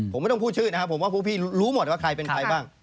ผมไม่ต้องพูดชื่อนะครับผมว่าพวกพี่รู้หมดว่าใครเป็นใครบ้าง